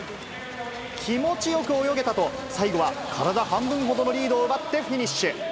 気持ちよく泳げたと、最後は体半分ほどのリードを奪ってフィニッシュ。